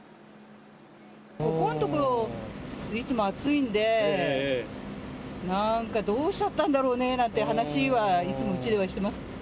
ここのところ、いつも暑いんで、なんかどうしちゃったんだろうねなんて話は、いつもうちではしてます。